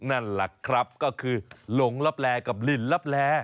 นะครับก็คือหลงลับแลกับหลินลับแล